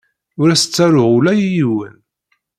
Ur as-ttaruɣ ula i yiwen.